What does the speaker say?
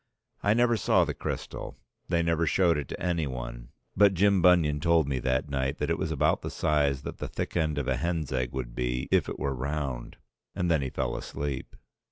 I never saw the crystal, they never showed it to anyone; but Jim Bunion told me that night that it was about the size that the thick end of a hen's egg would be if it were round. And then he fell asleep.